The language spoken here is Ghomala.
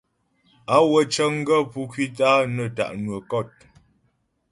Á wə cə̀ŋ gaə̂ pú ŋkwítə a nə tá' nwə́ kɔ̂t.